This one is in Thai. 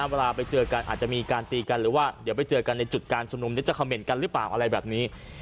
เวลาไปเจอกันอาจจะมีการตีกันหรือว่าเดี๋ยวไปเจอกันในจุดการชุมนุมจะคำเห็นกันหรือเปล่าอะไรแบบนี้